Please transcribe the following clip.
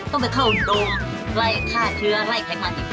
ต้องไปเข้าโรงไล่ฆ่าเชื้อไล่ไขมันดีกว่า